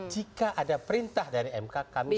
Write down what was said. jika ada perintah dari mk kami